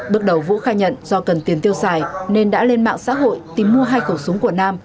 bước đầu vũ khai nhận do cần tiền tiêu xài nên đã lên mạng xã hội tìm mua hai khẩu súng của nam